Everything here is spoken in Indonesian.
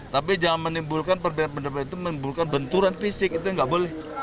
tapi jangan menimbulkan perbedaan pendapat itu menimbulkan benturan fisik itu yang nggak boleh